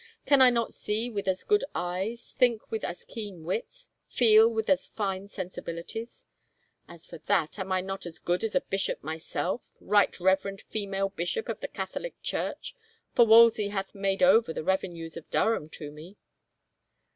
Can I not see with as good eyes, think with as keen wits, feel with as fine sensibilities ? As for that, am I not as good as a bishop myself — right reverend female bishop of the Catholic Church, for Wolsey hath made over the revenues of Durham to me."